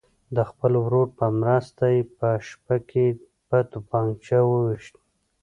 د خپل ورور په مرسته یې په شپه کې په توپنچه ویشت.